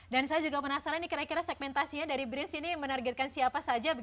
dan saya juga penasaran ini kira kira segmentasinya dari brins ini menargetkan siapa saja